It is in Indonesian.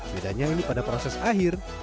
bedanya ini pada proses akhir